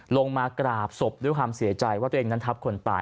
ลงมากราบศพด้วยความเสียใจว่าตัวเองนั้นทับคนตาย